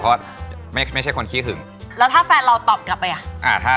เพราะไม่ใช่คนขี้หึงแล้วถ้าแฟนเราตอบกลับไปอ่ะอ่าถ้า